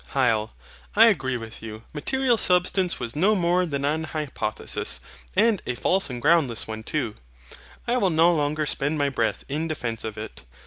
HYL. I agree with you. MATERIAL SUBSTANCE was no more than an hypothesis; and a false and groundless one too. I will no longer spend my breath in defence of it.